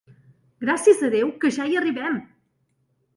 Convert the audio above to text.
Gràcies a Déu que ja hi arribem!